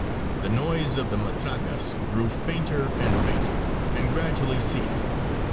The noise of the matracas grew fainter and fainter, and gradually ceased.